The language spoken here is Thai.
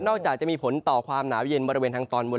นอกจากจะมีผลต่อความหนาวเย็นบริเวณทางตอนหมดแล้ว